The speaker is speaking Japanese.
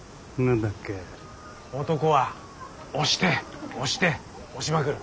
男は「押して押して押しまくる」。